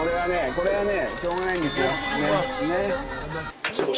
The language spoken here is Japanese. これはねしょうがないんですよ。